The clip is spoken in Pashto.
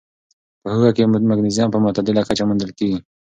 په هوږه کې مګنيزيم په معتدله کچه موندل کېږي.